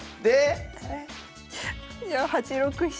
じゃあ８六飛車。